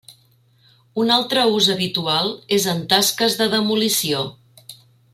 Un altre ús habitual és en tasques de demolició.